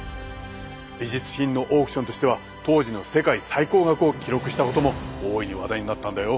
美術品のオークションとしては当時の世界最高額を記録したことも大いに話題になったんだよ。